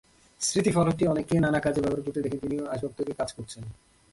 স্মৃতিফলকটি অনেককে নানা কাজে ব্যবহার করতে দেখে তিনিও আসবাব তৈরির কাজ করছেন।